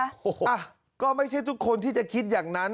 โอ้โหอ่ะก็ไม่ใช่ทุกคนที่จะคิดอย่างนั้น